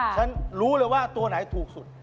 ฉันรู้เลยว่าตัวไหนถูกสุด